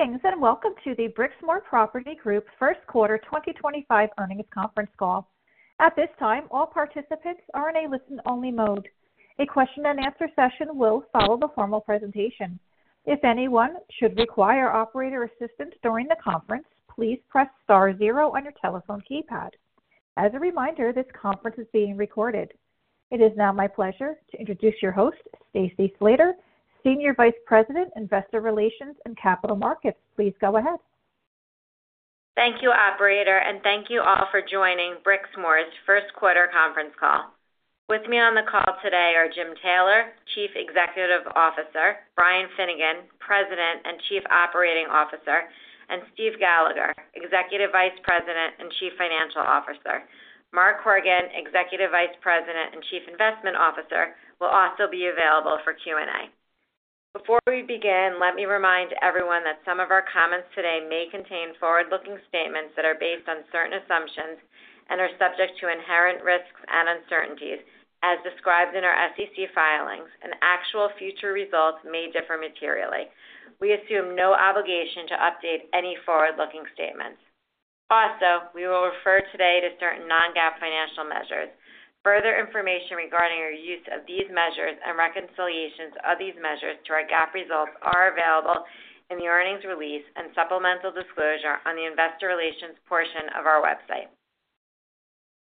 Greetings and welcome to the Brixmor Property Group First Quarter 2025 earnings conference call. At this time, all participants are in a listen-only mode. A question-and-answer session will follow the formal presentation. If anyone should require operator assistance during the conference, please press star zero on your telephone keypad. As a reminder, this conference is being recorded. It is now my pleasure to introduce your host, Stacy Slater, Senior Vice President, Investor Relations and Capital Markets. Please go ahead. Thank you, Operator, and thank you all for joining Brixmor's First Quarter conference call. With me on the call today are Jim Taylor, Chief Executive Officer; Brian Finnegan, President and Chief Operating Officer; and Steve Gallagher, Executive Vice President and Chief Financial Officer; Mark Horgan, Executive Vice President and Chief Investment Officer, who will also be available for Q&A. Before we begin, let me remind everyone that some of our comments today may contain forward-looking statements that are based on certain assumptions and are subject to inherent risks and uncertainties, as described in our SEC filings, and actual future results may differ materially. We assume no obligation to update any forward-looking statements. Also, we will refer today to certain non-GAAP financial measures. Further information regarding your use of these measures and reconciliations of these measures to our GAAP results are available in the earnings release and supplemental disclosure on the Investor Relations portion of our website.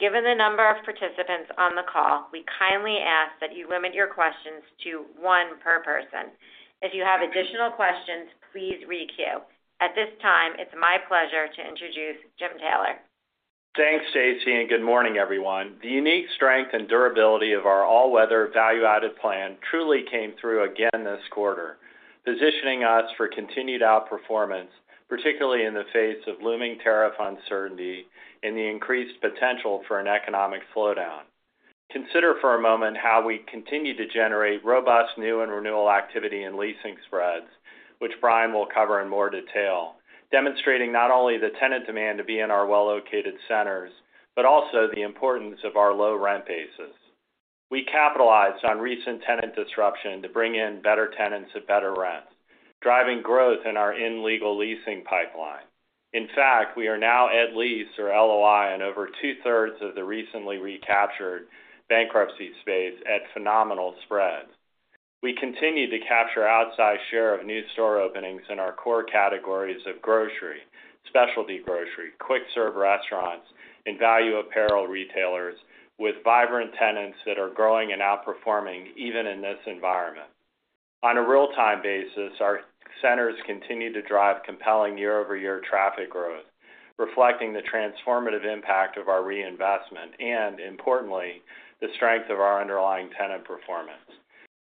Given the number of participants on the call, we kindly ask that you limit your questions to one per person. If you have additional questions, please re-queue. At this time, it's my pleasure to introduce Jim Taylor. Thanks, Stacy, and good morning, everyone. The unique strength and durability of our all-weather value-added plan truly came through again this quarter, positioning us for continued outperformance, particularly in the face of looming tariff uncertainty and the increased potential for an economic slowdown. Consider for a moment how we continue to generate robust new and renewal activity in leasing spreads, which Brian will cover in more detail, demonstrating not only the tenant demand to be in our well-located centers but also the importance of our low rent bases. We capitalized on recent tenant disruption to bring in better tenants at better rents, driving growth in our in-legal leasing pipeline. In fact, we are now at lease, or LOI, on over two-thirds of the recently recaptured bankruptcy space at phenomenal spreads. We continue to capture outsized share of new store openings in our core categories of grocery, specialty grocery, quick-serve restaurants, and value apparel retailers with vibrant tenants that are growing and outperforming even in this environment. On a real-time basis, our centers continue to drive compelling year-over-year traffic growth, reflecting the transformative impact of our reinvestment and, importantly, the strength of our underlying tenant performance.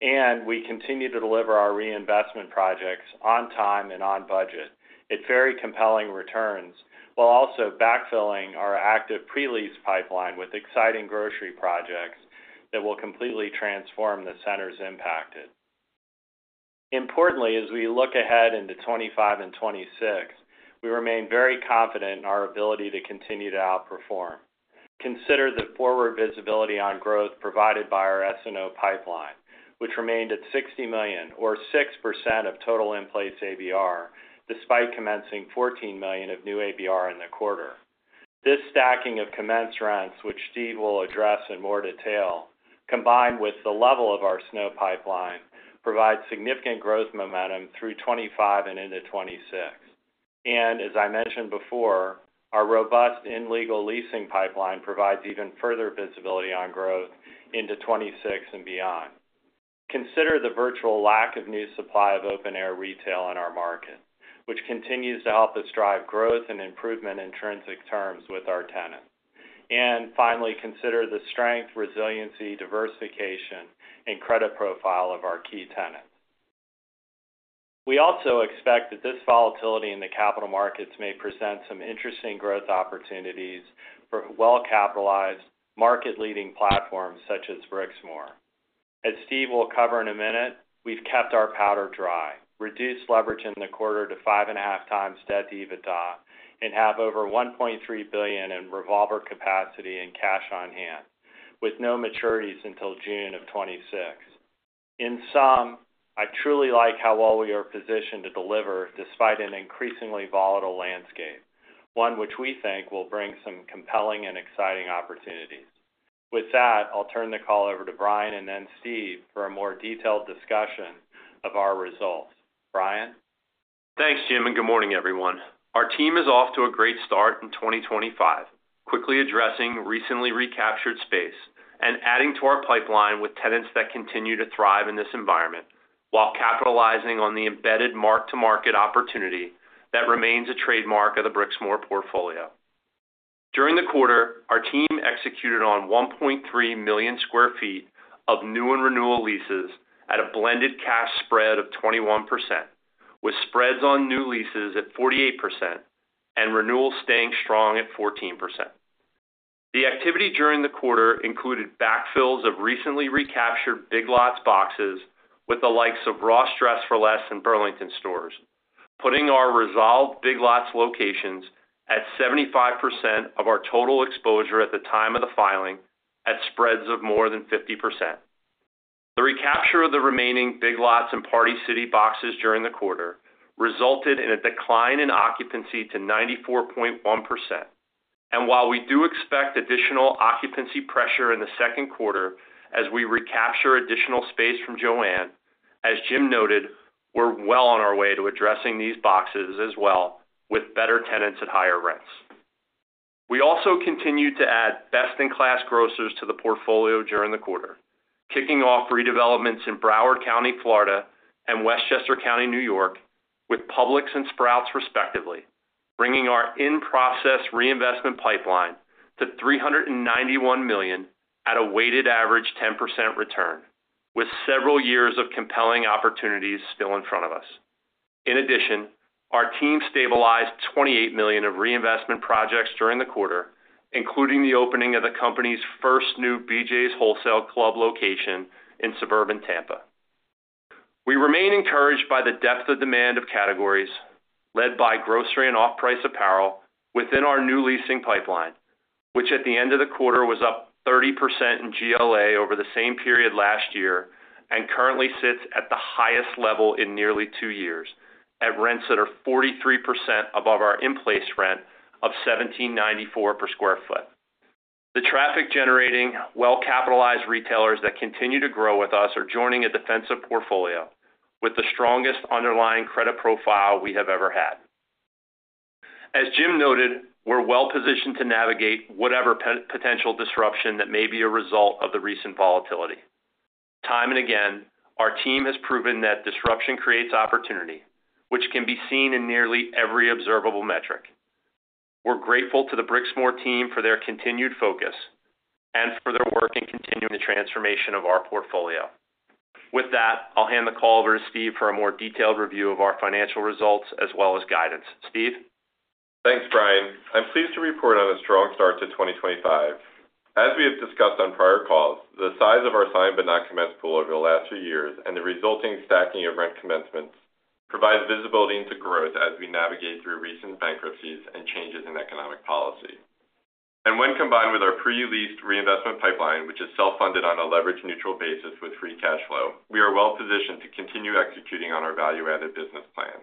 We continue to deliver our reinvestment projects on time and on budget at very compelling returns while also backfilling our active pre-lease pipeline with exciting grocery projects that will completely transform the centers impacted. Importantly, as we look ahead into 2025 and 2026, we remain very confident in our ability to continue to outperform. Consider the forward visibility on growth provided by our SNO pipeline, which remained at $60 million, or 6% of total in-place ABR, despite commencing $14 million of new ABR in the quarter. This stacking of commenced rents, which Steve will address in more detail, combined with the level of our SNO pipeline, provides significant growth momentum through 2025 and into 2026. As I mentioned before, our robust in-legal leasing pipeline provides even further visibility on growth into 2026 and beyond. Consider the virtual lack of new supply of open-air retail in our market, which continues to help us drive growth and improvement in transit terms with our tenants. Finally, consider the strength, resiliency, diversification, and credit profile of our key tenants. We also expect that this volatility in the capital markets may present some interesting growth opportunities for well-capitalized, market-leading platforms such as Brixmor. As Steve will cover in a minute, we've kept our powder dry, reduced leverage in the quarter to 5.5 times debt to EBITDA, and have over $1.3 billion in revolver capacity and cash on hand, with no maturities until June of 2026. In sum, I truly like how well we are positioned to deliver despite an increasingly volatile landscape, one which we think will bring some compelling and exciting opportunities. With that, I'll turn the call over to Brian and then Steve for a more detailed discussion of our results. Brian? Thanks, Jim, and good morning, everyone. Our team is off to a great start in 2025, quickly addressing recently recaptured space and adding to our pipeline with tenants that continue to thrive in this environment while capitalizing on the embedded mark-to-market opportunity that remains a trademark of the Brixmor portfolio. During the quarter, our team executed on 1.3 million sq ft of new and renewal leases at a blended cash spread of 21%, with spreads on new leases at 48% and renewals staying strong at 14%. The activity during the quarter included backfills of recently recaptured Big Lots boxes with the likes of Ross Stores and Burlington Stores, putting our resolved Big Lots locations at 75% of our total exposure at the time of the filing at spreads of more than 50%. The recapture of the remaining Big Lots and Party City boxes during the quarter resulted in a decline in occupancy to 94.1%. While we do expect additional occupancy pressure in the second quarter as we recapture additional space from Joann, as Jim noted, we're well on our way to addressing these boxes as well with better tenants at higher rents. We also continue to add best-in-class grocers to the portfolio during the quarter, kicking off redevelopments in Broward County, Florida, and Westchester County, New York, with Publix and Sprouts, respectively, bringing our in-process reinvestment pipeline to $391 million at a weighted average 10% return, with several years of compelling opportunities still in front of us. In addition, our team stabilized $28 million of reinvestment projects during the quarter, including the opening of the company's first new BJ's Wholesale Club location in suburban Tampa. We remain encouraged by the depth of demand of categories led by grocery and off-price apparel within our new leasing pipeline, which at the end of the quarter was up 30% in GLA over the same period last year and currently sits at the highest level in nearly two years at rents that are 43% above our in-place rent of $1,794 per sq ft. The traffic-generating, well-capitalized retailers that continue to grow with us are joining a defensive portfolio with the strongest underlying credit profile we have ever had. As Jim noted, we're well-positioned to navigate whatever potential disruption that may be a result of the recent volatility. Time and again, our team has proven that disruption creates opportunity, which can be seen in nearly every observable metric. We're grateful to the Brixmor team for their continued focus and for their work in continuing the transformation of our portfolio. With that, I'll hand the call over to Steve for a more detailed review of our financial results as well as guidance. Steve? Thanks, Brian. I'm pleased to report on a strong start to 2025. As we have discussed on prior calls, the size of our signed but not commenced pool over the last few years and the resulting stacking of rent commencements provides visibility into growth as we navigate through recent bankruptcies and changes in economic policy. When combined with our pre-leased reinvestment pipeline, which is self-funded on a leverage neutral basis with free cash flow, we are well-positioned to continue executing on our value-added business plan.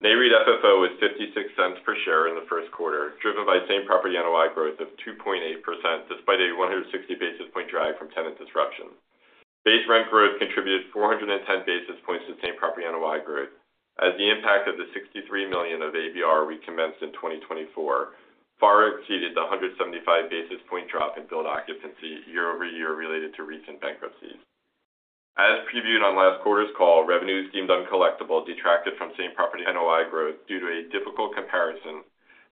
NAREIT FFO was $0.56 per share in the first quarter, driven by same property NOI growth of 2.8% despite a 160 basis point drag from tenant disruption. Base rent growth contributed 410 basis points to same property NOI growth, as the impact of the $63 million of ABR we commenced in 2024 far exceeded the 175 basis point drop in build occupancy year-over-year related to recent bankruptcies. As previewed on last quarter's call, revenues deemed uncollectable detracted from same property NOI growth due to a difficult comparison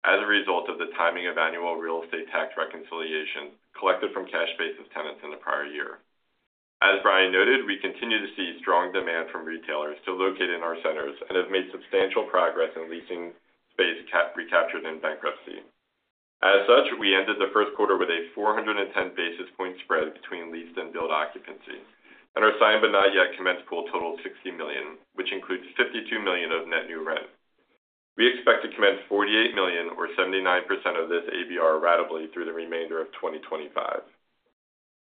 as a result of the timing of annual real estate tax reconciliation collected from cash-basis tenants in the prior year. As Brian noted, we continue to see strong demand from retailers to locate in our centers and have made substantial progress in leasing space recaptured in bankruptcy. As such, we ended the first quarter with a 410 basis point spread between leased and build occupancy, and our signed but not yet commenced pool totaled $60 million, which includes $52 million of net new rent. We expect to commence $48 million, or 79% of this ABR, ratably through the remainder of 2025.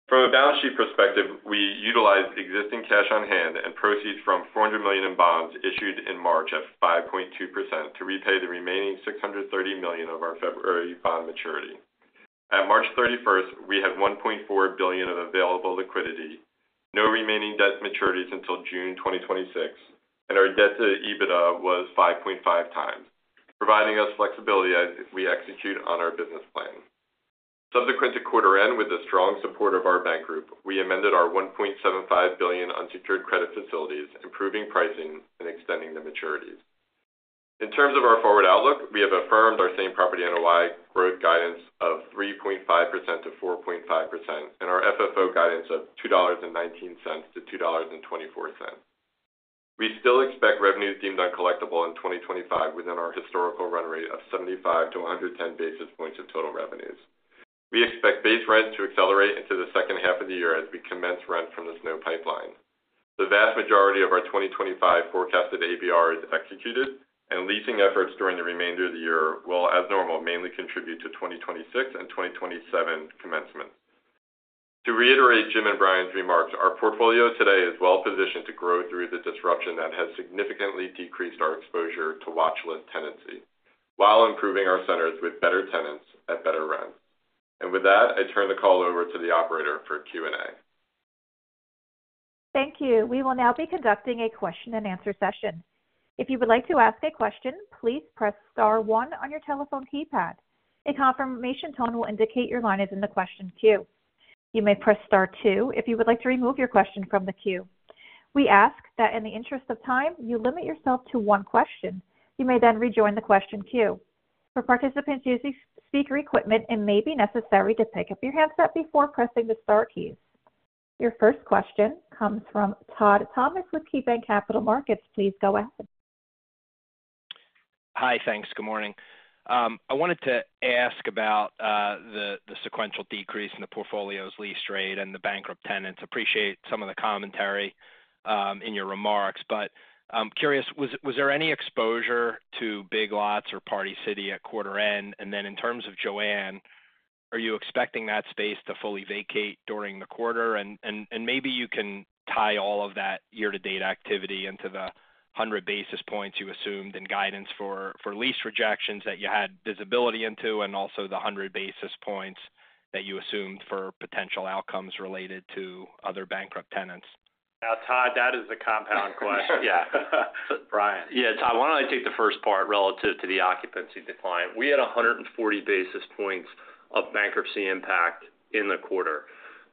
From a balance sheet perspective, we utilized existing cash on hand and proceeds from $400 million in bonds issued in March at 5.2% to repay the remaining $630 million of our February bond maturity. At March 31, we had $1.4 billion of available liquidity, no remaining debt maturities until June 2026, and our debt to EBITDA was 5.5 times, providing us flexibility as we execute on our business plan. Subsequent to quarter end, with the strong support of our bank group, we amended our $1.75 billion unsecured credit facilities, improving pricing and extending the maturities. In terms of our forward outlook, we have affirmed our same property NOI growth guidance of 3.5%-4.5% and our FFO guidance of $2.19-$2.24. We still expect revenues deemed uncollectable in 2025 within our historical run rate of 75-110 basis points of total revenues. We expect base rents to accelerate into the second half of the year as we commence rent from the SNO pipeline. The vast majority of our 2025 forecasted ABR is executed, and leasing efforts during the remainder of the year will, as normal, mainly contribute to 2026 and 2027 commencements. To reiterate Jim and Brian's remarks, our portfolio today is well-positioned to grow through the disruption that has significantly decreased our exposure to watchlist tenancy while improving our centers with better tenants at better rents. With that, I turn the call over to the operator for Q&A. Thank you. We will now be conducting a question-and-answer session. If you would like to ask a question, please press star one on your telephone keypad. A confirmation tone will indicate your line is in the question queue. You may press star two if you would like to remove your question from the queue. We ask that in the interest of time, you limit yourself to one question. You may then rejoin the question queue. For participants using speaker equipment, it may be necessary to pick up your handset before pressing the star keys. Your first question comes from Todd Thomas with KeyBanc Capital Markets. Please go ahead. Hi, thanks. Good morning. I wanted to ask about the sequential decrease in the portfolio's lease rate and the bankrupt tenants. Appreciate some of the commentary in your remarks, but I'm curious, was there any exposure to Big Lots or Party City at quarter end? In terms of Joann, are you expecting that space to fully vacate during the quarter? Maybe you can tie all of that year-to-date activity into the 100 basis points you assumed in guidance for lease rejections that you had visibility into and also the 100 basis points that you assumed for potential outcomes related to other bankrupt tenants. Now, Todd, that is a compound question. Yeah. Brian. Yeah, Todd, why don't I take the first part relative to the occupancy decline? We had 140 basis points of bankruptcy impact in the quarter.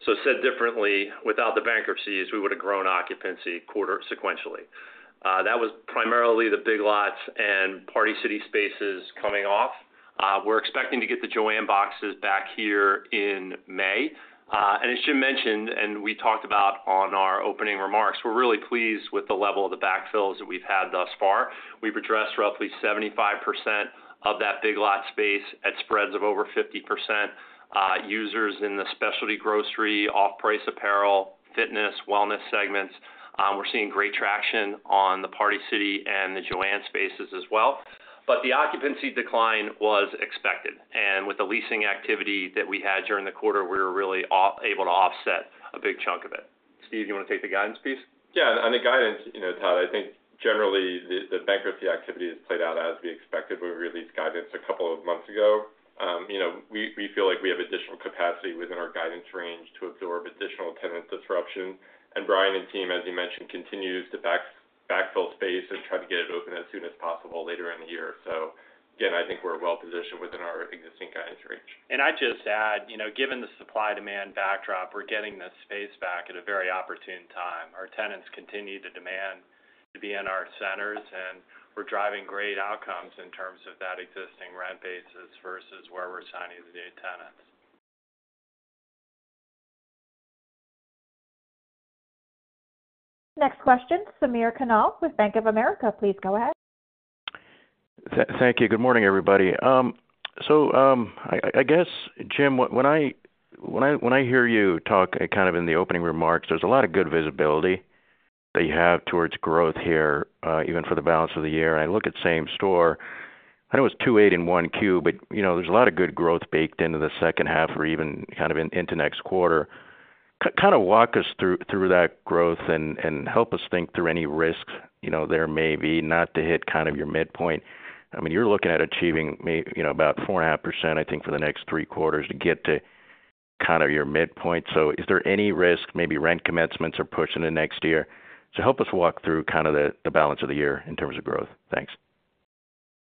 Said differently, without the bankruptcies, we would have grown occupancy quarter sequentially. That was primarily the Big Lots and Party City spaces coming off. We're expecting to get the Joann boxes back here in May. As Jim mentioned and we talked about in our opening remarks, we're really pleased with the level of the backfills that we've had thus far. We've addressed roughly 75% of that Big Lots space at spreads of over 50%. Users in the specialty grocery, off-price apparel, fitness, wellness segments, we're seeing great traction on the Party City and the Joann spaces as well. The occupancy decline was expected. With the leasing activity that we had during the quarter, we were really able to offset a big chunk of it. Steve, do you want to take the guidance piece? Yeah. On the guidance, Todd, I think generally the bankruptcy activity has played out as we expected when we released guidance a couple of months ago. We feel like we have additional capacity within our guidance range to absorb additional tenant disruption. Brian and team, as you mentioned, continue to backfill space and try to get it open as soon as possible later in the year. I think we're well-positioned within our existing guidance range. I would just add, given the supply-demand backdrop, we're getting this space back at a very opportune time. Our tenants continue to demand to be in our centers, and we're driving great outcomes in terms of that existing rent basis versus where we're signing the new tenants. Next question, Samir Khanal with Bank of America. Please go ahead. Thank you. Good morning, everybody. I guess, Jim, when I hear you talk kind of in the opening remarks, there's a lot of good visibility that you have towards growth here, even for the balance of the year. I look at same store. I know it's 2.8% in Q1, but there's a lot of good growth baked into the second half or even kind of into next quarter. Kind of walk us through that growth and help us think through any risks there may be not to hit kind of your midpoint. I mean, you're looking at achieving about 4.5% I think for the next three quarters to get to kind of your midpoint. Is there any risk, maybe rent commencements are pushing it next year? Help us walk through kind of the balance of the year in terms of growth. Thanks.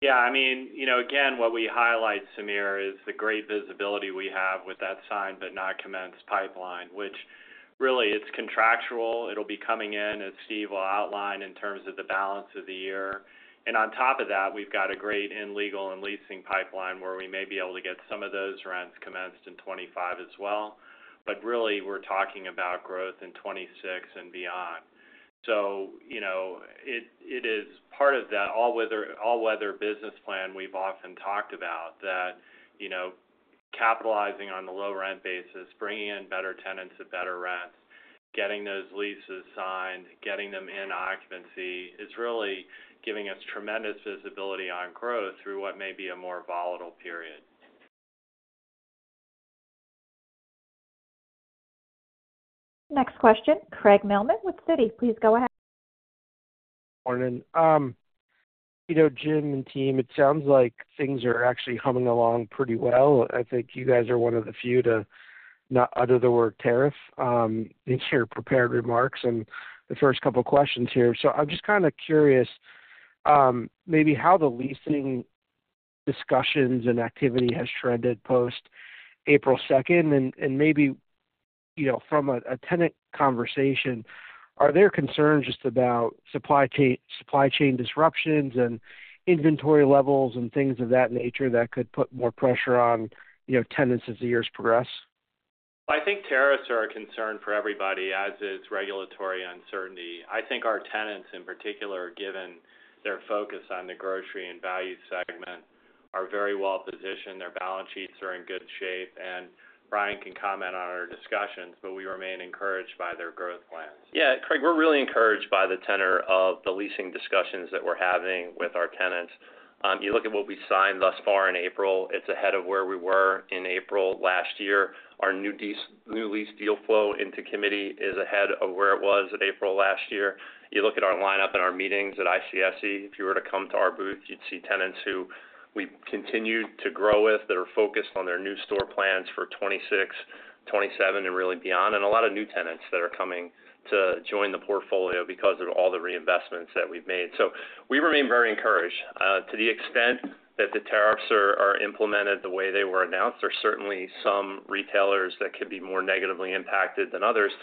Yeah. I mean, again, what we highlight, Samir, is the great visibility we have with that signed but not commenced pipeline, which really, it's contractual. It'll be coming in, as Steve will outline, in terms of the balance of the year. On top of that, we've got a great in-legal and leasing pipeline where we may be able to get some of those rents commenced in 2025 as well. Really, we're talking about growth in 2026 and beyond. It is part of that all-weather business plan we've often talked about, that capitalizing on the low rent basis, bringing in better tenants at better rents, getting those leases signed, getting them in occupancy is really giving us tremendous visibility on growth through what may be a more volatile period. Next question, Craig Mailman with Citi. Please go ahead. Morning. Jim and team, it sounds like things are actually humming along pretty well. I think you guys are one of the few to not utter the word tariff in your prepared remarks in the first couple of questions here. I am just kind of curious maybe how the leasing discussions and activity has trended post-April 2nd. Maybe from a tenant conversation, are there concerns just about supply chain disruptions and inventory levels and things of that nature that could put more pressure on tenants as the years progress? I think tariffs are a concern for everybody, as is regulatory uncertainty. I think our tenants, in particular, given their focus on the grocery and value segment, are very well-positioned. Their balance sheets are in good shape. Brian can comment on our discussions, but we remain encouraged by their growth plans. Yeah, Craig, we're really encouraged by the tenor of the leasing discussions that we're having with our tenants. You look at what we signed thus far in April, it's ahead of where we were in April last year. Our new lease deal flow into committee is ahead of where it was in April last year. You look at our lineup in our meetings at ICSC, if you were to come to our booth, you'd see tenants who we've continued to grow with that are focused on their new store plans for 2026, 2027, and really beyond. A lot of new tenants that are coming to join the portfolio because of all the reinvestments that we've made. We remain very encouraged. To the extent that the tariffs are implemented the way they were announced, there are certainly some retailers that could be more negatively impacted than others.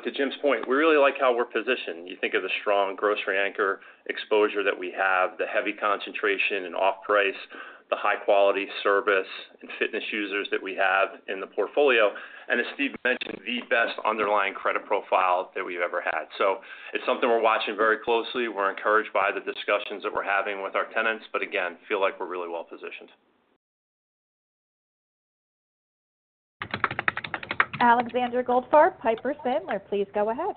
To Jim's point, we really like how we're positioned. You think of the strong grocery anchor exposure that we have, the heavy concentration in off-price, the high-quality service and fitness users that we have in the portfolio. As Steve mentioned, the best underlying credit profile that we've ever had. It is something we're watching very closely. We're encouraged by the discussions that we're having with our tenants, but again, feel like we're really well-positioned. Alexander Goldfarb, Piper Sandler, please go ahead.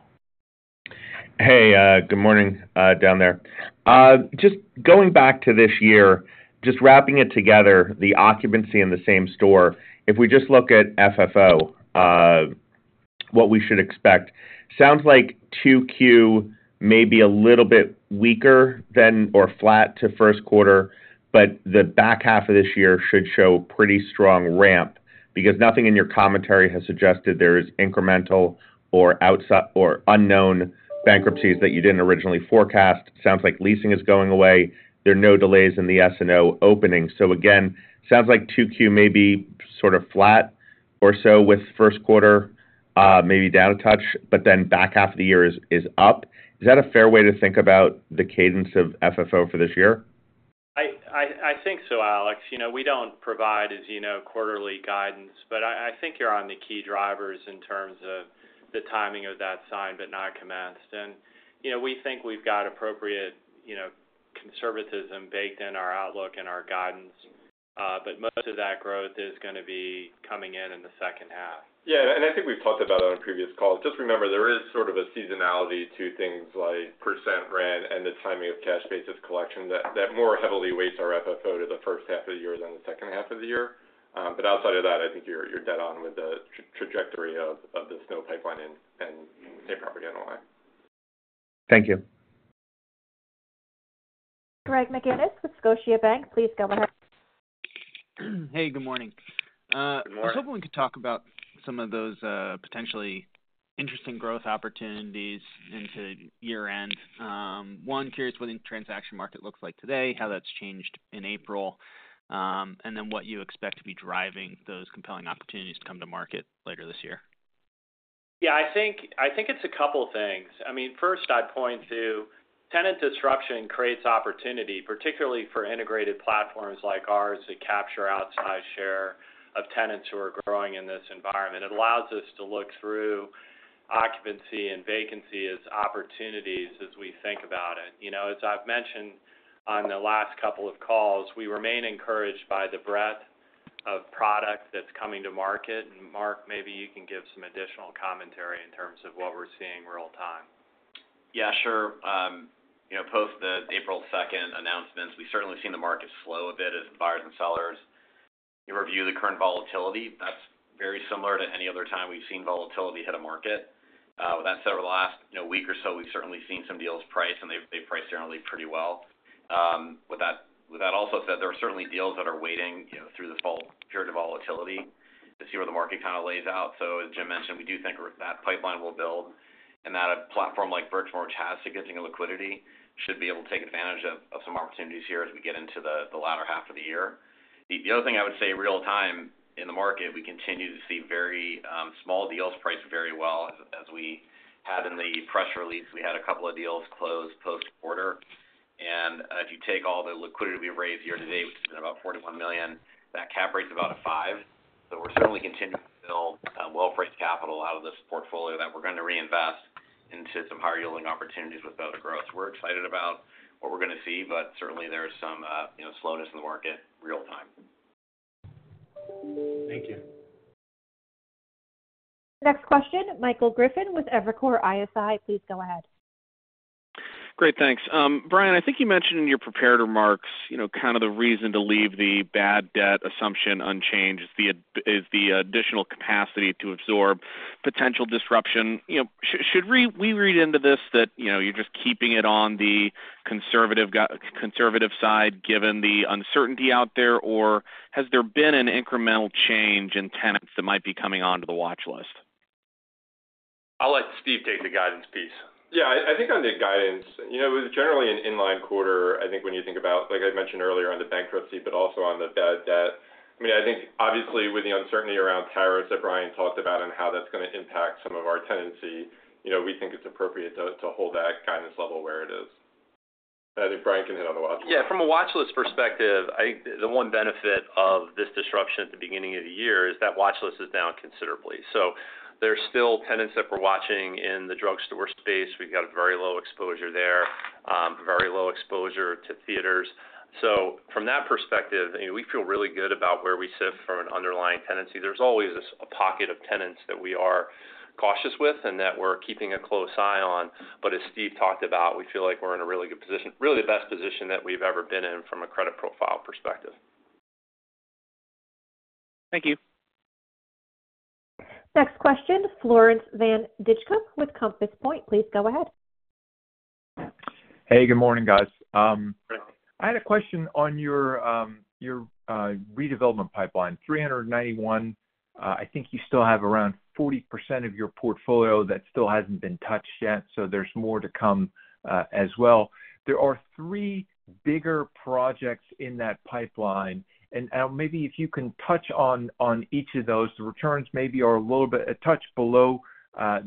Hey, good morning down there. Just going back to this year, just wrapping it together, the occupancy in the same store, if we just look at FFO, what we should expect, sounds like 2Q may be a little bit weaker than or flat to first quarter, but the back half of this year should show pretty strong ramp because nothing in your commentary has suggested there is incremental or unknown bankruptcies that you did not originally forecast. Sounds like leasing is going away. There are no delays in the SNO opening. Again, sounds like 2Q may be sort of flat or so with first quarter, maybe down a touch, but then back half of the year is up. Is that a fair way to think about the cadence of FFO for this year? I think so, Alex. We do not provide, as you know, quarterly guidance, but I think you are on the key drivers in terms of the timing of that signed but not commenced. We think we have got appropriate conservatism baked in our outlook and our guidance, but most of that growth is going to be coming in in the second half. Yeah. I think we've talked about it on a previous call. Just remember, there is sort of a seasonality to things like percent rent and the timing of cash basis collection that more heavily weighs our FFO to the first half of the year than the second half of the year. Outside of that, I think you're dead on with the trajectory of the SNO pipeline and same property NOI. Thank you. Greg McGinniss with Scotiabank, please go ahead. Hey, good morning. I was hoping we could talk about some of those potentially interesting growth opportunities into year-end. One, curious what the transaction market looks like today, how that's changed in April, and then what you expect to be driving those compelling opportunities to come to market later this year. Yeah. I think it's a couple of things. I mean, first, I'd point to tenant disruption creates opportunity, particularly for integrated platforms like ours that capture outsized share of tenants who are growing in this environment. It allows us to look through occupancy and vacancy as opportunities as we think about it. As I've mentioned on the last couple of calls, we remain encouraged by the breadth of product that's coming to market. And Mark, maybe you can give some additional commentary in terms of what we're seeing real-time. Yeah, sure. Post the April 2nd announcements, we've certainly seen the market slow a bit as buyers and sellers review the current volatility. That's very similar to any other time we've seen volatility hit a market. That said, over the last week or so, we've certainly seen some deals priced, and they've priced generally pretty well. With that also said, there are certainly deals that are waiting through the full period of volatility to see where the market kind of lays out. As Jim mentioned, we do think that pipeline will build. A platform like Brixmor's, which has significant liquidity, should be able to take advantage of some opportunities here as we get into the latter half of the year. The other thing I would say real-time in the market, we continue to see very small deals priced very well as we had in the press release. We had a couple of deals closed post-quarter. If you take all the liquidity we've raised year-to-date, which has been about $41 million, that cap rate's about a five. We are certainly continuing to build well-priced capital out of this portfolio that we're going to reinvest into some higher-yielding opportunities with better growth. We are excited about what we're going to see, but certainly there's some slowness in the market real-time. Thank you. Next question, Michael Griffin with Evercore ISI. Please go ahead. Great. Thanks. Brian, I think you mentioned in your prepared remarks kind of the reason to leave the bad debt assumption unchanged is the additional capacity to absorb potential disruption. Should we read into this that you're just keeping it on the conservative side given the uncertainty out there, or has there been an incremental change in tenants that might be coming onto the watchlist? I'll let Steve take the guidance piece. Yeah. I think on the guidance, it was generally an inline quarter. I think when you think about, like I mentioned earlier, on the bankruptcy, but also on the bad debt, I mean, I think obviously with the uncertainty around tariffs that Brian talked about and how that's going to impact some of our tenancy, we think it's appropriate to hold that guidance level where it is. I think Brian can hit on the watchlist. Yeah. From a watchlist perspective, the one benefit of this disruption at the beginning of the year is that watchlist is down considerably. There are still tenants that we're watching in the drugstore space. We've got very low exposure there, very low exposure to theaters. From that perspective, we feel really good about where we sit from an underlying tenancy. There's always a pocket of tenants that we are cautious with and that we're keeping a close eye on. As Steve talked about, we feel like we're in a really good position, really the best position that we've ever been in from a credit profile perspective. Thank you. Next question, Floris Van Dijkum with Compass Point. Please go ahead. Hey, good morning, guys. I had a question on your redevelopment pipeline. 391, I think you still have around 40% of your portfolio that still hasn't been touched yet. There is more to come as well. There are three bigger projects in that pipeline. Maybe if you can touch on each of those, the returns maybe are a little bit a touch below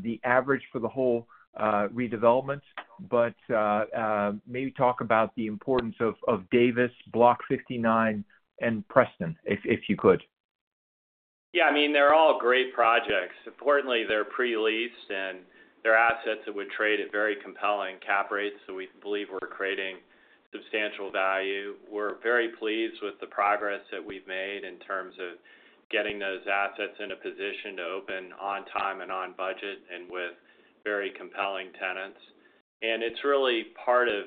the average for the whole redevelopment. Maybe talk about the importance of Davis, Block 59, and Preston, if you could. Yeah. I mean, they're all great projects. Importantly, they're pre-leased, and they're assets that would trade at very compelling cap rates. We believe we're creating substantial value. We're very pleased with the progress that we've made in terms of getting those assets in a position to open on time and on budget and with very compelling tenants. It's really part of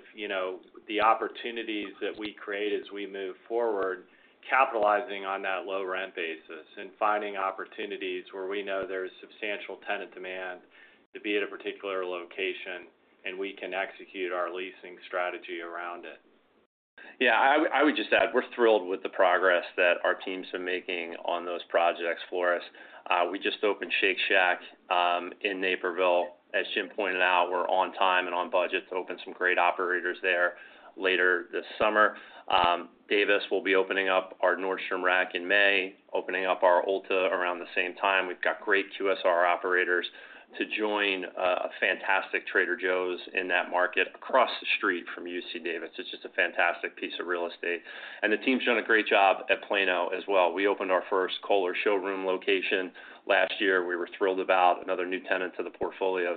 the opportunities that we create as we move forward, capitalizing on that low rent basis and finding opportunities where we know there's substantial tenant demand to be at a particular location, and we can execute our leasing strategy around it. Yeah. I would just add we're thrilled with the progress that our teams are making on those projects, Flores. We just opened Shake Shack in Naperville. As Jim pointed out, we're on time and on budget to open some great operators there later this summer. Davis will be opening up our Nordstrom Rack in May, opening up our Ulta around the same time. We've got great QSR operators to join a fantastic Trader Joe's in that market across the street from UC Davis. It's just a fantastic piece of real estate. The team's done a great job at Plano as well. We opened our first Kohler showroom location last year. We were thrilled about another new tenant to the portfolio.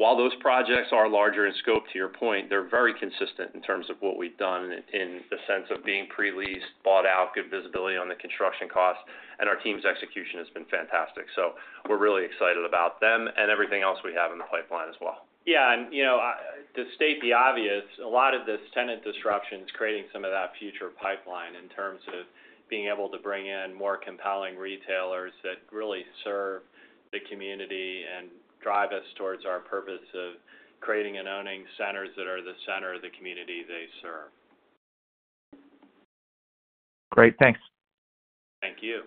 While those projects are larger in scope, to your point, they're very consistent in terms of what we've done in the sense of being pre-leased, bought out, good visibility on the construction costs. Our team's execution has been fantastic. We're really excited about them and everything else we have in the pipeline as well. Yeah. To state the obvious, a lot of this tenant disruption is creating some of that future pipeline in terms of being able to bring in more compelling retailers that really serve the community and drive us towards our purpose of creating and owning centers that are the center of the community they serve. Great. Thanks. Thank you.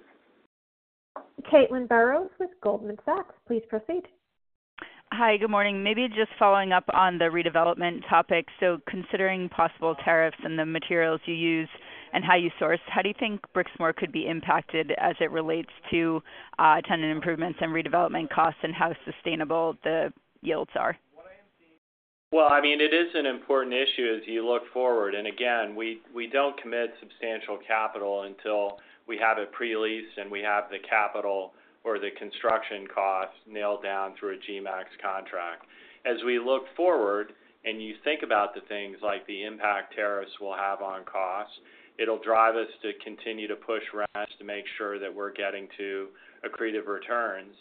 Caitlin Burrows with Goldman Sachs. Please proceed. Hi. Good morning. Maybe just following up on the redevelopment topic. Considering possible tariffs and the materials you use and how you source, how do you think Brixmor could be impacted as it relates to tenant improvements and redevelopment costs and how sustainable the yields are? I mean, it is an important issue as you look forward. Again, we do not commit substantial capital until we have it pre-leased and we have the capital or the construction costs nailed down through a GMACS contract. As we look forward and you think about things like the impact tariffs will have on costs, it will drive us to continue to push rents to make sure that we are getting to accretive returns.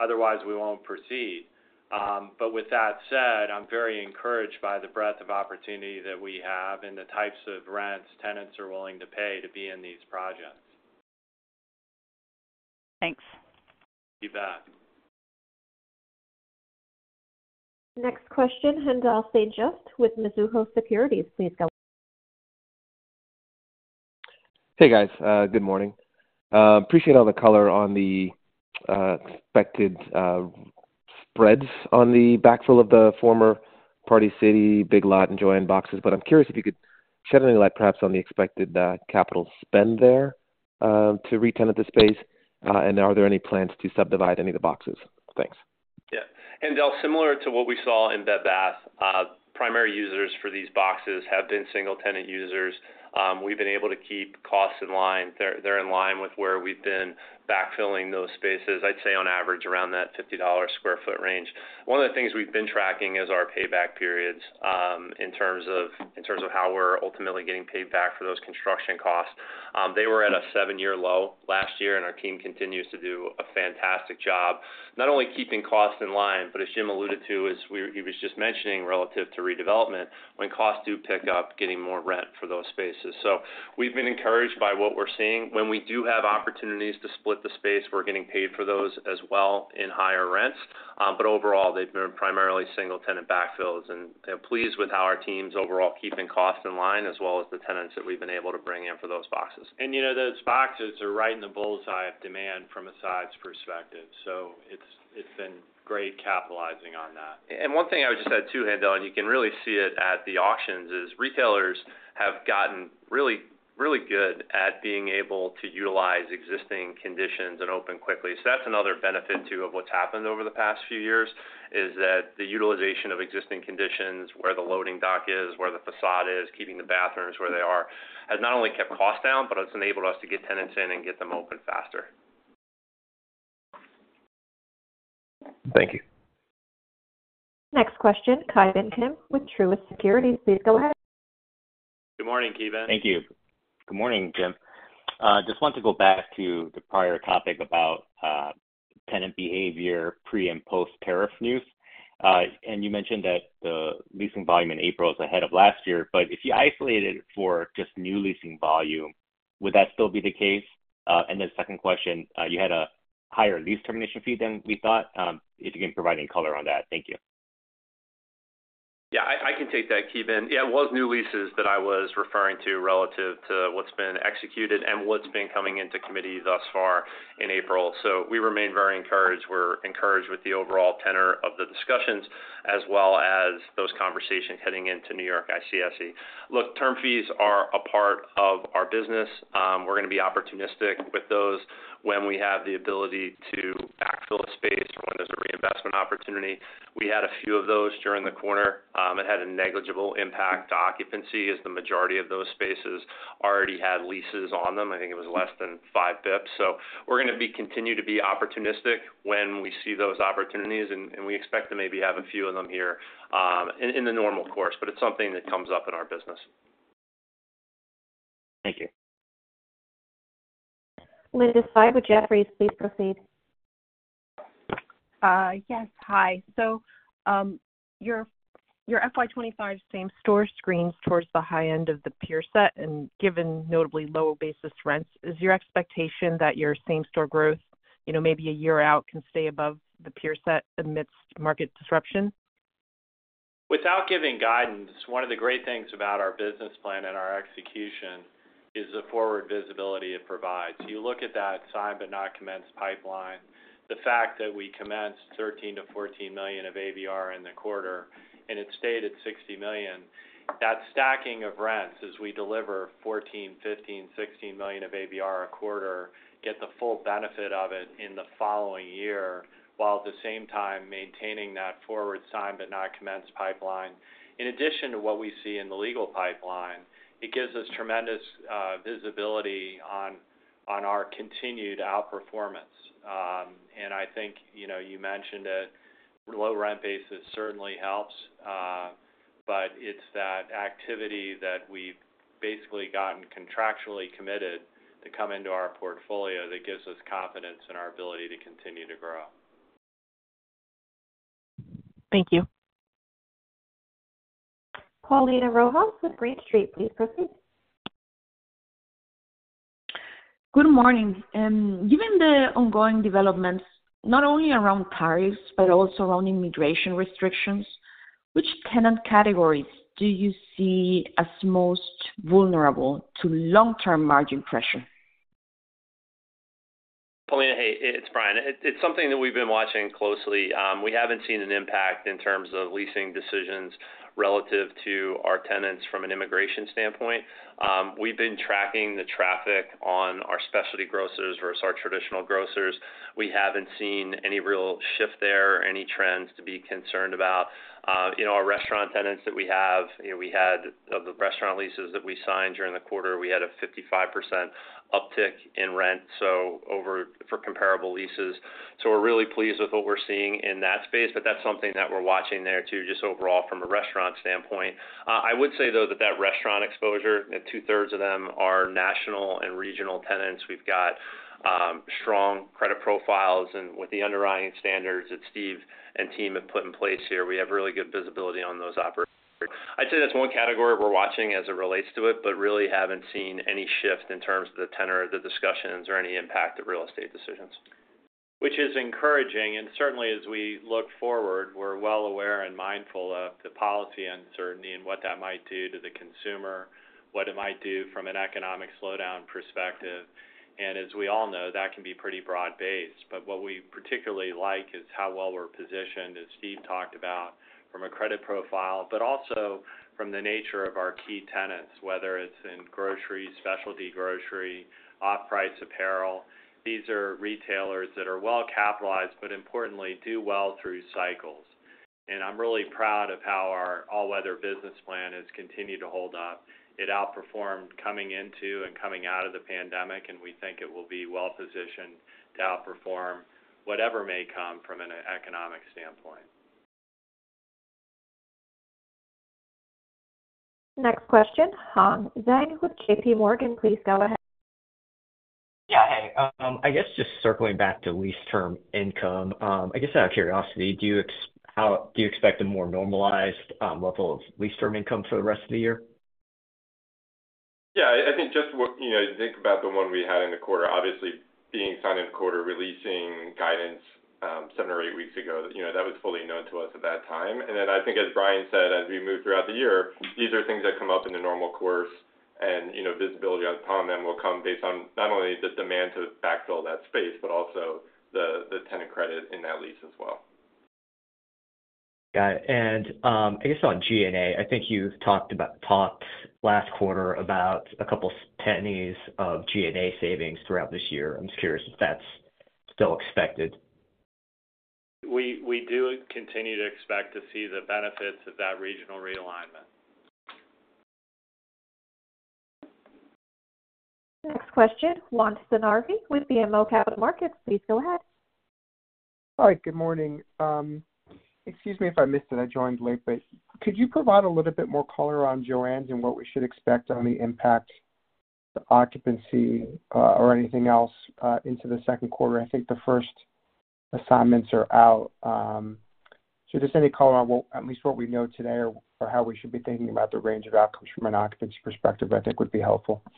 Otherwise, we will not proceed. With that said, I am very encouraged by the breadth of opportunity that we have and the types of rents tenants are willing to pay to be in these projects. Thanks. You bet. Next question, Haendel St. Juste with Mizuho Securities. Please go. Hey, guys. Good morning. Appreciate all the color on the expected spreads on the backfill of the former Party City, Big Lots, and JOANN boxes. I'm curious if you could shed any light perhaps on the expected capital spend there to re-tenant the space, and are there any plans to subdivide any of the boxes? Thanks. Yeah. Similar to what we saw in Bed Bath, primary users for these boxes have been single-tenant users. We have been able to keep costs in line. They are in line with where we have been backfilling those spaces. I would say on average around that $50 per sq ft range. One of the things we have been tracking is our payback periods in terms of how we are ultimately getting paid back for those construction costs. They were at a seven-year low last year, and our team continues to do a fantastic job, not only keeping costs in line, but as Jim alluded to, as he was just mentioning relative to redevelopment, when costs do pick up, getting more rent for those spaces. We have been encouraged by what we are seeing. When we do have opportunities to split the space, we are getting paid for those as well in higher rents. Overall, they've been primarily single-tenant backfills and pleased with how our teams overall keeping costs in line as well as the tenants that we've been able to bring in for those boxes. Those boxes are right in the bullseye of demand from a size perspective. It has been great capitalizing on that. One thing I would just add too, Haendel, and you can really see it at the auctions, is retailers have gotten really good at being able to utilize existing conditions and open quickly. That is another benefit too of what has happened over the past few years, that the utilization of existing conditions, where the loading dock is, where the facade is, keeping the bathrooms where they are, has not only kept costs down, but it has enabled us to get tenants in and get them open faster. Thank you. Next question, Ki Bin Kim with Truist Securities. Please go ahead. Good morning, Ki Bin Thank you. Good morning, Jim. Just want to go back to the prior topic about tenant behavior pre and post-tariff news. You mentioned that the leasing volume in April is ahead of last year. If you isolate it for just new leasing volume, would that still be the case? Second question, you had a higher lease termination fee than we thought. If you can provide any color on that, thank you. Yeah. I can take that, Ki Bin. Yeah. It was new leases that I was referring to relative to what's been executed and what's been coming into committee thus far in April. We remain very encouraged. We're encouraged with the overall tenor of the discussions as well as those conversations heading into New York ICSC. Look, term fees are a part of our business. We're going to be opportunistic with those when we have the ability to backfill a space or when there's a reinvestment opportunity. We had a few of those during the quarter. It had a negligible impact to occupancy as the majority of those spaces already had leases on them. I think it was less than five basis points. We're going to continue to be opportunistic when we see those opportunities, and we expect to maybe have a few of them here in the normal course. It is something that comes up in our business. Thank you. Linda Tsai with Jefferies, please proceed. Yes. Hi. So your FY 2025 same-store screens towards the high end of the peer set, and given notably lower basis rents, is your expectation that your same-store growth maybe a year out can stay above the peer set amidst market disruption? Without giving guidance, one of the great things about our business plan and our execution is the forward visibility it provides. You look at that signed but not commenced pipeline, the fact that we commenced $13 million-$14 million of ABR in the quarter, and it stayed at $60 million, that stacking of rents as we deliver $14 million, $15 million, $16 million of ABR a quarter, get the full benefit of it in the following year while at the same time maintaining that forward signed but not commenced pipeline. In addition to what we see in the legal pipeline, it gives us tremendous visibility on our continued outperformance. I think you mentioned it. Low rent basis certainly helps, but it is that activity that we have basically gotten contractually committed to come into our portfolio that gives us confidence in our ability to continue to grow. Thank you. Paulina Rojas Schmidt with Green Street Advisors, please proceed. Good morning. Given the ongoing developments, not only around tariffs but also around immigration restrictions, which tenant categories do you see as most vulnerable to long-term margin pressure? Paulina, hey, it's Brian. It's something that we've been watching closely. We haven't seen an impact in terms of leasing decisions relative to our tenants from an immigration standpoint. We've been tracking the traffic on our specialty grocers versus our traditional grocers. We haven't seen any real shift there or any trends to be concerned about. Our restaurant tenants that we have, we had the restaurant leases that we signed during the quarter, we had a 55% uptick in rent for comparable leases. We are really pleased with what we're seeing in that space, but that's something that we're watching there too, just overall from a restaurant standpoint. I would say, though, that that restaurant exposure, two-thirds of them are national and regional tenants. We've got strong credit profiles, and with the underlying standards that Steve and team have put in place here, we have really good visibility on those operators. I'd say that's one category we're watching as it relates to it, but really haven't seen any shift in terms of the tenor of the discussions or any impact of real estate decisions, which is encouraging. Certainly, as we look forward, we're well aware and mindful of the policy uncertainty and what that might do to the consumer, what it might do from an economic slowdown perspective. As we all know, that can be pretty broad-based. What we particularly like is how well we're positioned, as Steve talked about, from a credit profile, but also from the nature of our key tenants, whether it's in grocery, specialty grocery, off-price apparel. These are retailers that are well capitalized, but importantly, do well through cycles. I'm really proud of how our all-weather business plan has continued to hold up. It outperformed coming into and coming out of the pandemic, and we think it will be well positioned to outperform whatever may come from an economic standpoint. Next question, Hans Zhang with JPMorgan. Please go ahead. Yeah. Hey. I guess just circling back to lease term income, I guess out of curiosity, do you expect a more normalized level of lease term income for the rest of the year? Yeah. I think just when you think about the one we had in the quarter, obviously being signed in the quarter, releasing guidance seven or eight weeks ago, that was fully known to us at that time. I think, as Brian said, as we move throughout the year, these are things that come up in the normal course, and visibility on top of them will come based on not only the demand to backfill that space, but also the tenant credit in that lease as well. Got it. I guess on G&A, I think you talked last quarter about a couple of pennies of G&A savings throughout this year. I'm just curious if that's still expected. We do continue to expect to see the benefits of that regional realignment. Next question, Juan Sanabria with BMO Capital Markets. Please go ahead. Hi. Good morning. Excuse me if I missed it. I joined late, but could you provide a little bit more color on Joann's and what we should expect on the impact to occupancy or anything else into the second quarter? I think the first assignments are out. Just any color on at least what we know today or how we should be thinking about the range of outcomes from an occupancy perspective, I think would be helpful. Yeah.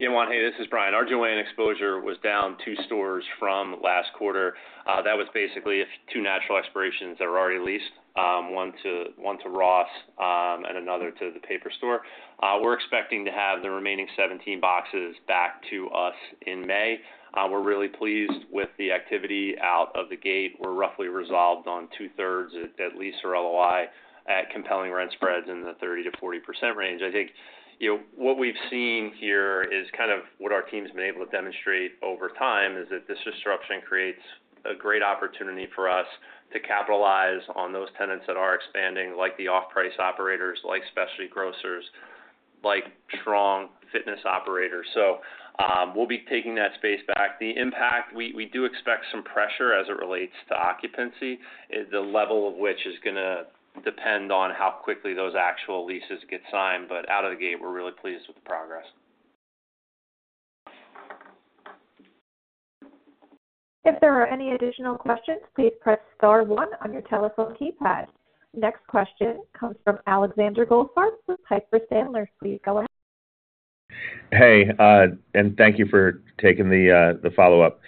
Juan, hey, this is Brian. Our Joann exposure was down two stores from last quarter. That was basically two natural expirations that were already leased, one to Ross and another to The Paper Store. We're expecting to have the remaining 17 boxes back to us in May. We're really pleased with the activity out of the gate. We're roughly resolved on two-thirds at least or LOI at compelling rent spreads in the 30%-40% range. I think what we've seen here is kind of what our team's been able to demonstrate over time is that this disruption creates a great opportunity for us to capitalize on those tenants that are expanding, like the off-price operators, like specialty grocers, like strong fitness operators. We'll be taking that space back. The impact, we do expect some pressure as it relates to occupancy, the level of which is going to depend on how quickly those actual leases get signed. Out of the gate, we're really pleased with the progress. If there are any additional questions, please press star one on your telephone keypad. Next question comes from Alexander Goldfarb with Piper Sandler. Please go ahead. Hey. Thank you for taking the follow-up.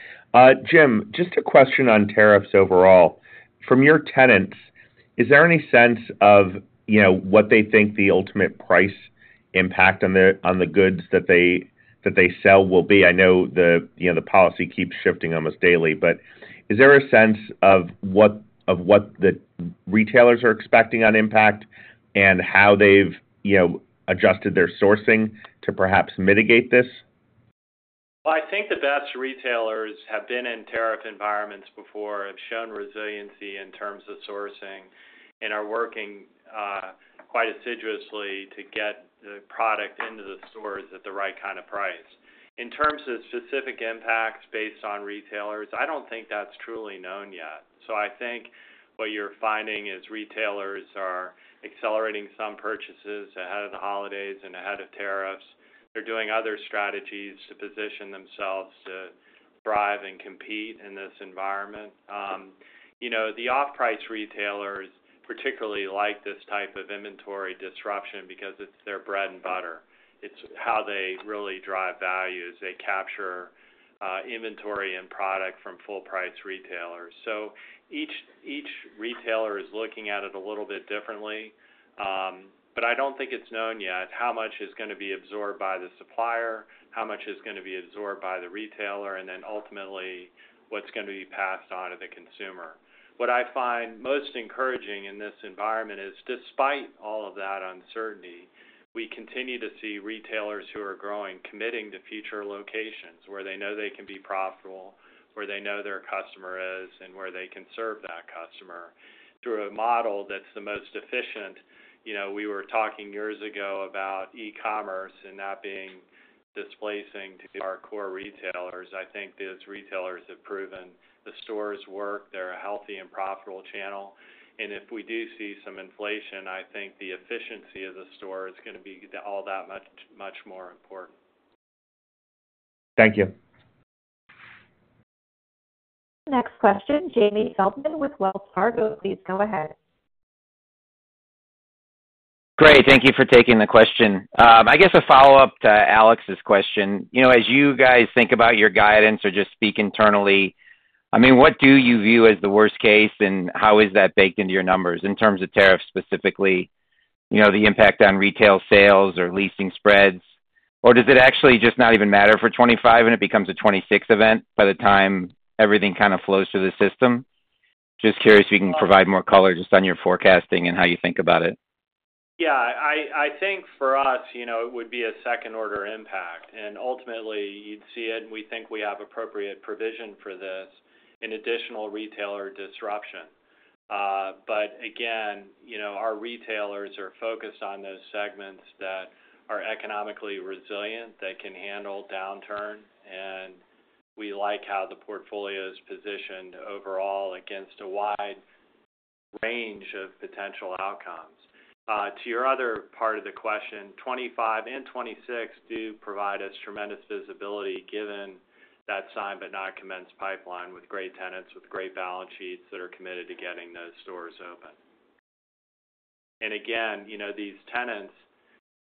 Jim, just a question on tariffs overall. From your tenants, is there any sense of what they think the ultimate price impact on the goods that they sell will be? I know the policy keeps shifting almost daily, but is there a sense of what the retailers are expecting on impact and how they've adjusted their sourcing to perhaps mitigate this? I think the best retailers have been in tariff environments before, have shown resiliency in terms of sourcing, and are working quite assiduously to get the product into the stores at the right kind of price. In terms of specific impacts based on retailers, I do not think that is truly known yet. I think what you are finding is retailers are accelerating some purchases ahead of the holidays and ahead of tariffs. They are doing other strategies to position themselves to thrive and compete in this environment. The off-price retailers particularly like this type of inventory disruption because it is their bread and butter. It is how they really drive values. They capture inventory and product from full-price retailers. Each retailer is looking at it a little bit differently, but I do not think it is known yet how much is going to be absorbed by the supplier, how much is going to be absorbed by the retailer, and then ultimately what is going to be passed on to the consumer. What I find most encouraging in this environment is, despite all of that uncertainty, we continue to see retailers who are growing committing to future locations where they know they can be profitable, where they know their customer is, and where they can serve that customer through a model that is the most efficient. We were talking years ago about e-commerce and that being displacing to our core retailers. I think those retailers have proven the stores work. They are a healthy and profitable channel. If we do see some inflation, I think the efficiency of the store is going to be all that much more important. Thank you. Next question, Jamie Feldman with Wells Fargo. Please go ahead. Great. Thank you for taking the question. I guess a follow-up to Alex's question. As you guys think about your guidance or just speak internally, I mean, what do you view as the worst case and how is that baked into your numbers in terms of tariffs specifically, the impact on retail sales or leasing spreads? Or does it actually just not even matter for 2025 and it becomes a 2026 event by the time everything kind of flows through the system? Just curious if you can provide more color just on your forecasting and how you think about it. Yeah. I think for us, it would be a second-order impact. Ultimately, you'd see it, and we think we have appropriate provision for this in additional retailer disruption. Again, our retailers are focused on those segments that are economically resilient, that can handle downturn, and we like how the portfolio is positioned overall against a wide range of potential outcomes. To your other part of the question, 2025 and 2026 do provide us tremendous visibility given that signed but not commenced pipeline with great tenants, with great balance sheets that are committed to getting those stores open. Again, these tenants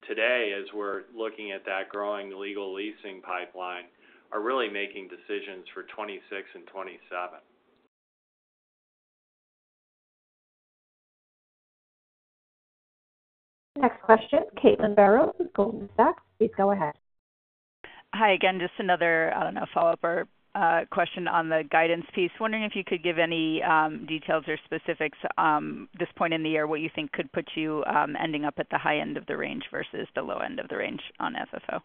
today, as we're looking at that growing legal leasing pipeline, are really making decisions for 2026 and 2027. Next question, Caitlin Burrows with Goldman Sachs. Please go ahead. Hi. Again, just another follow-up or question on the guidance piece. Wondering if you could give any details or specifics at this point in the year what you think could put you ending up at the high end of the range versus the low end of the range on FFO?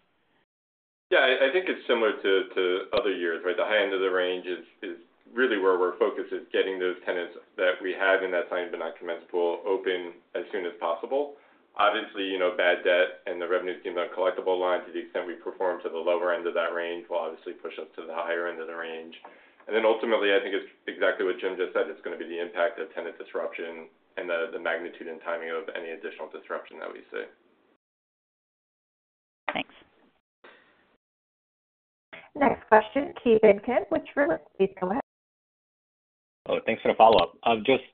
Yeah. I think it's similar to other years, right? The high end of the range is really where we're focused is getting those tenants that we had in that signed but not commenced pool open as soon as possible. Obviously, bad debt and the revenue deemed uncollectible lines, to the extent we perform to the lower end of that range, will obviously push us to the higher end of the range. Ultimately, I think it's exactly what Jim just said. It's going to be the impact of tenant disruption and the magnitude and timing of any additional disruption that we see. Thanks. Next question, Ki Bin Kim, please go ahead. Thanks for the follow-up. Just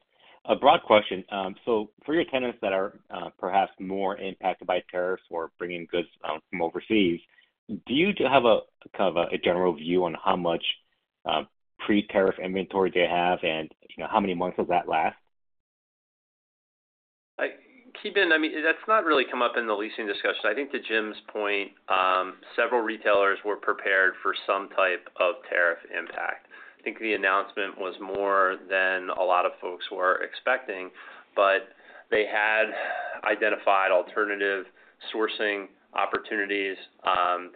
a broad question. For your tenants that are perhaps more impacted by tariffs or bringing goods from overseas, do you have a kind of a general view on how much pre-tariff inventory they have and how many months does that last? Ki Bin, I mean, that's not really come up in the leasing discussion. I think to Jim's point, several retailers were prepared for some type of tariff impact. I think the announcement was more than a lot of folks were expecting, but they had identified alternative sourcing opportunities.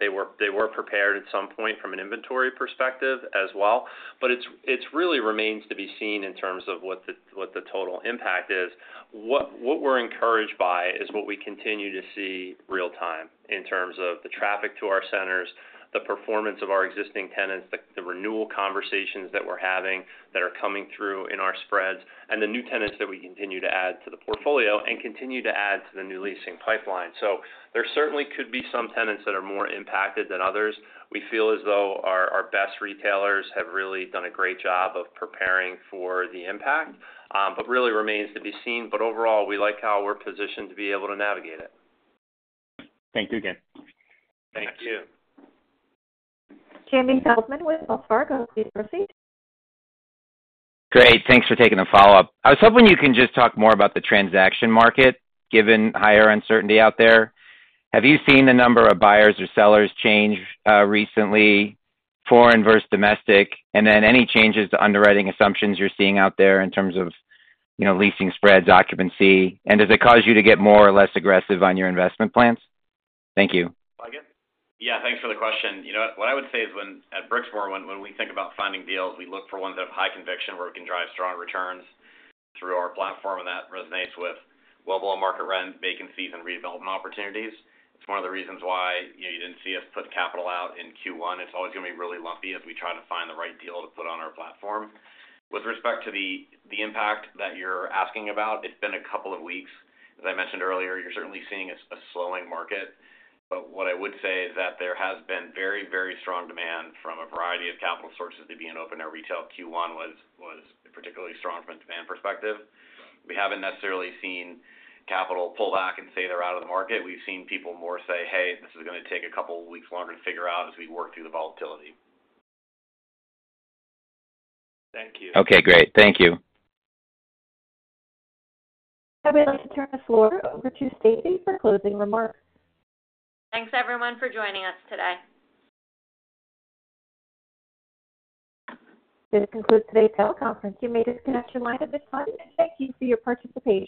They were prepared at some point from an inventory perspective as well. It really remains to be seen in terms of what the total impact is. What we're encouraged by is what we continue to see real-time in terms of the traffic to our centers, the performance of our existing tenants, the renewal conversations that we're having that are coming through in our spreads, and the new tenants that we continue to add to the portfolio and continue to add to the new leasing pipeline. There certainly could be some tenants that are more impacted than others. We feel as though our best retailers have really done a great job of preparing for the impact, but it really remains to be seen. Overall, we like how we're positioned to be able to navigate it. Thank you again. Thank you. Jamie Feldman with Wells Fargo. Please proceed. Great. Thanks for taking the follow-up. I was hoping you can just talk more about the transaction market given higher uncertainty out there. Have you seen the number of buyers or sellers change recently, foreign versus domestic, and then any changes to underwriting assumptions you're seeing out there in terms of leasing spreads, occupancy? Does it cause you to get more or less aggressive on your investment plans? Thank you. Yeah. Thanks for the question. You know what I would say is at Brixmor, when we think about finding deals, we look for ones that have high conviction where we can drive strong returns through our platform, and that resonates with below market rent, vacancies, and redevelopment opportunities. It's one of the reasons why you didn't see us put capital out in Q1. It's always going to be really lumpy as we try to find the right deal to put on our platform. With respect to the impact that you're asking about, it's been a couple of weeks. As I mentioned earlier, you're certainly seeing a slowing market. What I would say is that there has been very, very strong demand from a variety of capital sources to be in open-air retail. Q1 was particularly strong from a demand perspective. We haven't necessarily seen capital pull back and say they're out of the market. We've seen people more say, "Hey, this is going to take a couple of weeks longer to figure out as we work through the volatility." Thank you. Okay. Great. Thank you. I would like to turn the floor over to Stacy for closing remarks. Thanks, everyone, for joining us today. This concludes today's teleconference. You may disconnect your line at this time. Thank you for your participation.